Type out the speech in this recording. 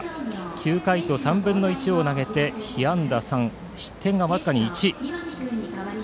９回と３分の１を投げて被安打３失点が僅かに１。